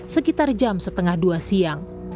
sekitar jam setengah dua siang